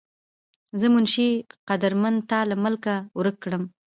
زۀ منشي قدرمند تا لۀ ملکه ورک کړم